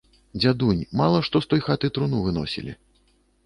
Дзядунь, мала што з той хаты труну выносілі.